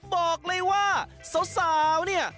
บอกเลยว่าสาวเนี่ย